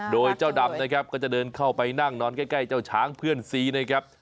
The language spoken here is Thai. โดยเจ้าดำนะครับก็จะเดินเข้าไปนั่งนอนใกล้เจ้าช้างเพื่อนซีนะครับ